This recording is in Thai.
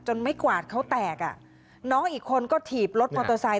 ไม่กวาดเขาแตกอ่ะน้องอีกคนก็ถีบรถมอเตอร์ไซค